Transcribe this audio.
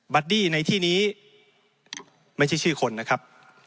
ดี้ในที่นี้ไม่ใช่ชื่อคนนะครับ